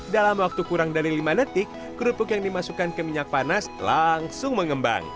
dalam waktu kurang dari lima detik kerupuk yang dimasukkan ke minyak panas langsung mengembang